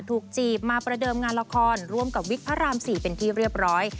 จีบมาประเดิมงานละครร่วมกับวิกพระราม๔เป็นที่เรียบร้อย